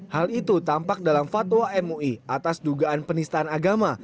hal itu tampak dalam fatwa mui atas dugaan penistaan agama